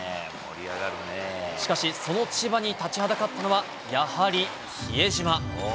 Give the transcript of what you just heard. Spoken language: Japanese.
しかし、その千葉に立ちはだかったのは、やはり比江島。